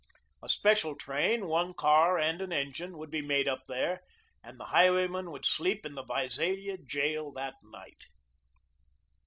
A special train, one car and an engine, would be made up there, and the highwayman would sleep in the Visalia jail that night.